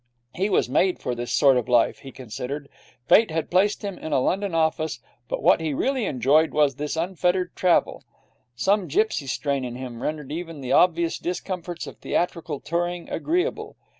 He was made for this sort of life, he considered. Fate had placed him in a London office, but what he really enjoyed was this unfettered travel. Some gipsy strain in him rendered even the obvious discomforts of theatrical touring agreeable.